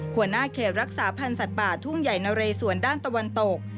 หัวหน้าเขตรักษาพันธ์สัตว์ป่าทุ่งใหญ่นะเรสวนด้านตะวันตก